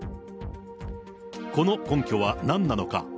この根拠はなんなのか。